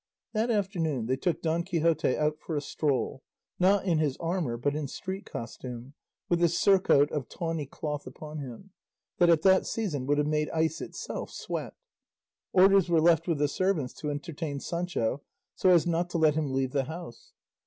That afternoon they took Don Quixote out for a stroll, not in his armour but in street costume, with a surcoat of tawny cloth upon him, that at that season would have made ice itself sweat. Orders were left with the servants to entertain Sancho so as not to let him leave the house.